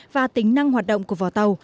và tính năng hoạt động của vỏ tàu